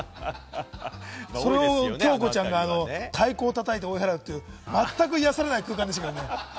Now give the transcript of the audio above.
それを京子ちゃんが太鼓を叩いて追い払うというまったく癒やされない空間でしたけれどもね。